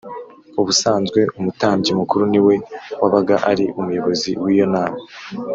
Ubusanzwe, umutambyi mukuru ni we wabaga ari umuyobozi w’iyo nama